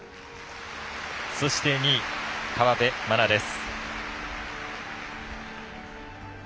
そして、２位、河辺愛菜です。